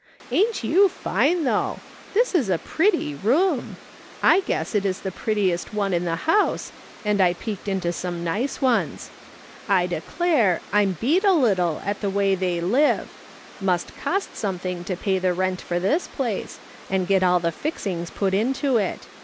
Ain't you fine, though ! This is a pretty room. I guess it is the prettiest one in 92 MRS. SOLOMOy SMITH LOOKING 0^. the house, and I i:)ecked into some nice ones. I declare, I'm ])eat a little, at the way they live. Must cost something to pay the rent for this place, and get ail the fixings put into it.